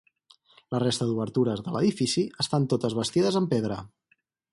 La resta d'obertures de l'edifici estan totes bastides amb pedra.